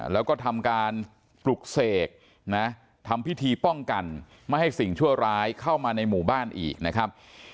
แล้วก็ทำการปลุกเสกนะทำพิธีป้องกันไม่ให้สิ่งชั่วร้ายเข้ามาในหมู่บ้านอีกนะครับ